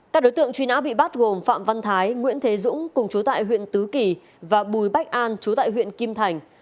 các đối tượng truy nã bị bắt gồm phạm văn thái nguyễn thế dũng cùng chú tại huyện tứ kỳ và bùi bách an chú tại huyện kim thành